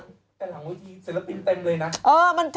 มีเศรษฐานแล้วเต็มเลยนะ